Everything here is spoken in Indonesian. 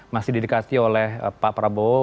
masih didekati oleh pak prabowo